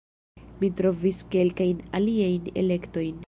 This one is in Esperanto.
Mi trovis kelkajn aliajn elektojn